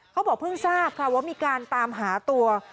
เขาบอกเพิ่งทราบค่ะว่ามีการตามหาตัว